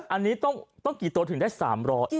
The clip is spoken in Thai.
อันนี้ต้องกี่ตัวถึงได้๓๐๐บาท